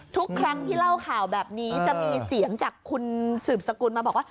ทุกครั้งที่เล่าข่าวแบบนี้จะมีเสียงจากคุณสืบสกุลมาบอกว่า